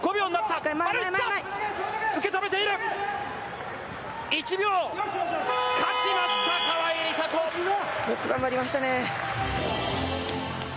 よく頑張りましたね。